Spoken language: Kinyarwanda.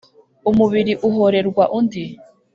umubiri uhorerwa undi